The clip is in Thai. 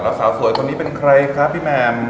แล้วสาวสวยคนนี้เป็นใครครับพี่แหม่ม